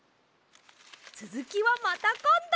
つづきはまたこんど。